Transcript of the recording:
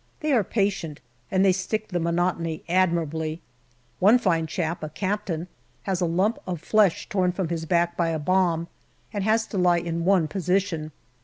They are patient, and they stick the monotony admirably. One fine chap, a Captain, has a lump of flesh torn from his back by a bomb, and has to lie in one position.